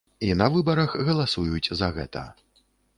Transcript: І на выбарах галасуюць за гэта.